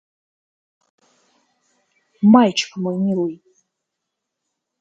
Мальчик мой милый!